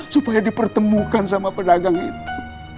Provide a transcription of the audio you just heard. supaya dipertemukan sama pedagang itu